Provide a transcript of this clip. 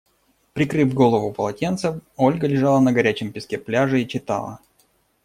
Прикрыв голову полотенцем, Ольга лежала на горячем песке пляжа и читала.